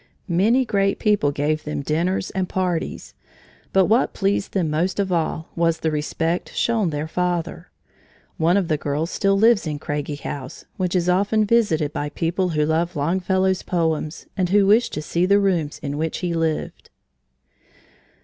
Many great people gave them dinners and parties. But what pleased them most of all was the respect shown their father. One of the daughters still lives in Craigie House, which is often visited by people who love Longfellow's poems and who wish to see the rooms in which he lived.